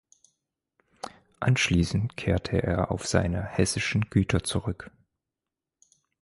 Anschließend kehrte er auf seine hessischen Güter zurück.